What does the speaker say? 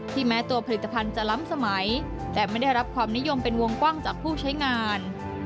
แม้ตัวผลิตภัณฑ์จะล้ำสมัยแต่ไม่ได้รับความนิยมเป็นวงกว้างจากผู้ใช้งาน